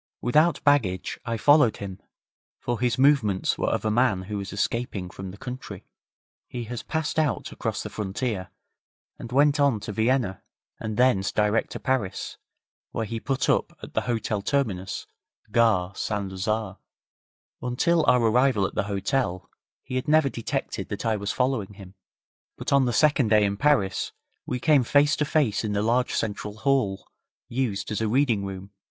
Without baggage I followed him, for his movements were of a man who was escaping from the country. He passed out across the frontier, and went on to Vienna, and thence direct to Paris, where he put up at the Hotel Terminus, Gare St Lazare. Until our arrival at the hotel he had never detected that I was following him, but on the second day in Paris we came face to face in the large central hall, used as a reading room.